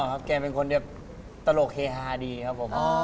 ก็แค่เป็นคนเดียวตลกเฮฮาดีครับผม